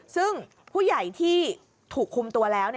ซึ่งผู้ใหญ่ที่ถูกคุมตัวแล้ว